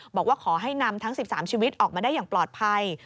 บอกว่าขอให้นำทั้ง๑๓ชีวิตออกมาได้อย่างปลอดภัย